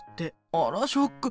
あらショック。